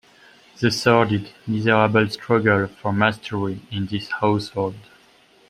The sordid, miserable struggle for mastery in this household.